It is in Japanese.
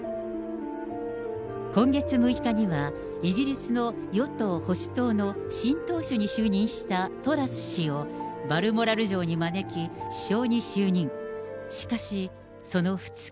今月６日にはイギリスの与党・保守党の新党首に就任したトラス氏をバルモラル城に招き首相に就任。